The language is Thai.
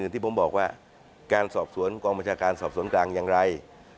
ที่ผมบอกว่าการสอบสวนกองบัญชาการสอบสวนกลางอย่างไร